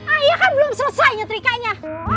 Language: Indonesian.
ayah kan belum selesai nyetrikanya